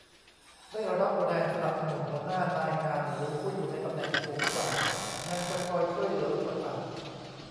ได้รับแรงสนับสนุน หัวหน้านายงานหรือผู้อยู่ในตำแหน่งสูงกว่ายังจะคอยช่วยเหลืออุปถัมภ์